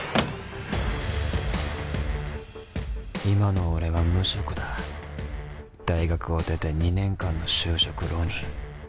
今の俺は無職だ大学を出て２年間の就職浪人